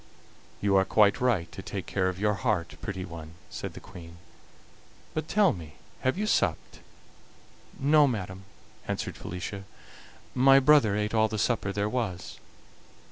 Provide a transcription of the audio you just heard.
"You are quite right to take care of your heart, pretty one," said the Queen. "But tell me, have you supped?" "No, madam," answered Felicia; "my brother ate all the supper there was."